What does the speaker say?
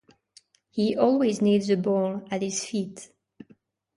He always needs a ball at his feet.